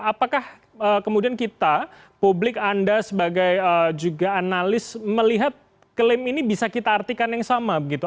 apakah kemudian kita publik anda sebagai juga analis melihat klaim ini bisa kita artikan yang sama begitu